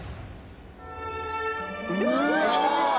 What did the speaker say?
うわ！